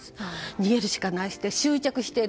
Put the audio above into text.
逃げるしかない執着している、